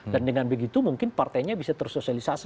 dan dengan begitu mungkin partainya bisa tersosialisasi